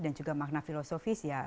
dan juga makna filosofis